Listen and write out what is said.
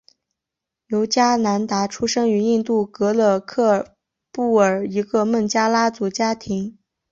尤迦南达出生于印度戈勒克布尔一个孟加拉族家庭。